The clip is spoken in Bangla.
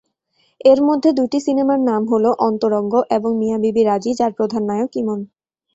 এরমধ্যে দুইটি সিনেমার নাম হল "অন্তরঙ্গ" এবং "মিয়া বিবি রাজী", যার প্রধান নায়ক ইমন।